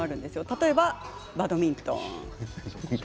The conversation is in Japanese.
例えばバドミントン。